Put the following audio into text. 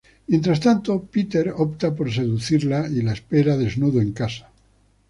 Mientras tanto, Peter opta por seducirla y la espera desnudo en casa.